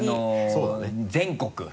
そうだね。全国。